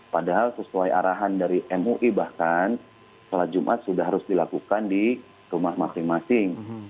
padahal sesuai arahan dari mui bahkan sholat jumat sudah harus dilakukan di rumah masing masing